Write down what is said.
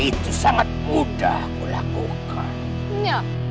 itu sangat mudah kulakukan